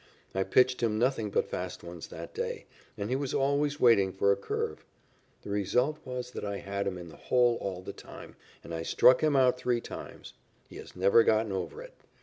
I pitched him nothing but fast ones that day, and he was always waiting for a curve. The result was that I had him in the hole all the time, and I struck him out three times. He has never gotten over it.